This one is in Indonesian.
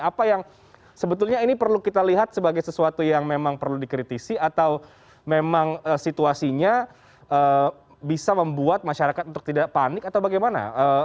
apa yang sebetulnya ini perlu kita lihat sebagai sesuatu yang memang perlu dikritisi atau memang situasinya bisa membuat masyarakat untuk tidak panik atau bagaimana